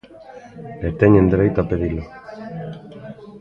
E teñen dereito a pedilo.